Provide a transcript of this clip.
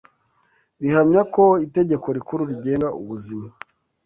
bihamya ko itegeko rikuru rigenga ubuzima